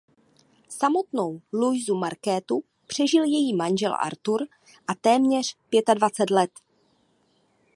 Samotnou Luisu Markétu přežil její manžel Artur a téměř pětadvacet let.